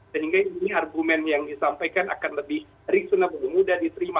sehingga ini argumen yang disampaikan akan lebih reasonable mudah diterima